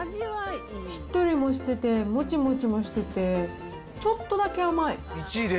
しっとりもしてて、もちもちもしてて、ちょっとだけ甘い。